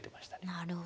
なるほど。